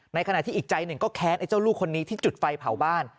ในขณะที่อีกใจหนึ่งก็แค้นไอ้เจ้าลูกคนนี้ที่จุดไฟเผาบ้าน